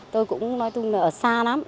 tôi cũng nói chung là ở xa lắm